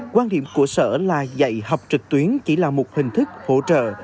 quan điểm của sở là dạy học trực tuyến chỉ là một hình thức hỗ trợ